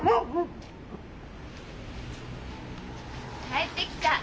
帰ってきた。